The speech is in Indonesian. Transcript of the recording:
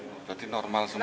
berarti normal semua